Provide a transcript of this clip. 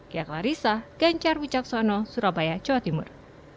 kia klarisa gencar wicaksono surabaya jawa timur